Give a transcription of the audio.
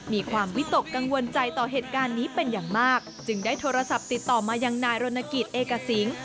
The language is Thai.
มีความวิตกกังวลใจต่อเหตุการณ์นี้เป็นอย่างมากจึงได้โทรศัพท์ติดต่อมายังนายรณกิจเอกสิง